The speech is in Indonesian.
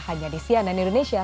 hanya di cnn indonesia